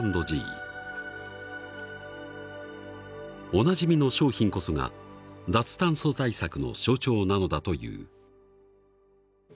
おなじみの商品こそが脱炭素対策の象徴なのだという。